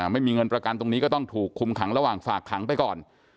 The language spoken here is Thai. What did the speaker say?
ไม่มีเงินประกันตรงนี้ก็ต้องถูกคุมขังระหว่างฝากขังไปก่อน